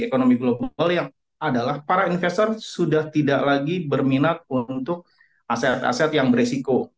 ekonomi global yang adalah para investor sudah tidak lagi berminat untuk aset aset yang beresiko